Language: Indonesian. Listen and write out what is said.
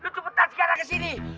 lo cepetan sekarang ke sini